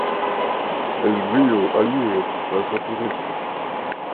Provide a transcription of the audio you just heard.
El río Allier pasa por ella.